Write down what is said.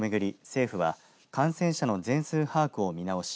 政府は感染者の全数把握を見直し